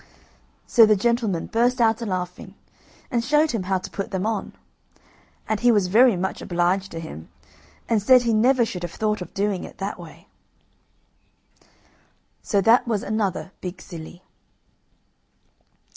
So the gentleman burst out a laughing, and showed him how to put them on; and he was very much obliged to him, and said he never should have thought of doing it that way. So that was another big silly.